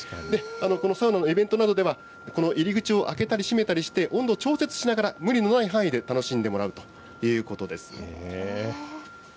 このサウナのイベントなどでは、この入り口を開けたり閉めたりして、温度調節しながら、無理のない範囲で楽しんでもらうということです。